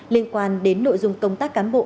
liên quan đến nội dung công tác cán bộ